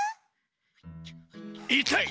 いたい！